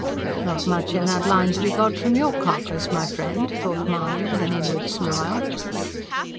Not much in that line to be got from YOUR carcase, my friend, thought Mahony, with an inward smile.